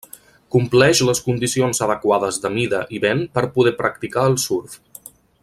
Compleix les condicions adequades de mida i vent per poder practicar el surf.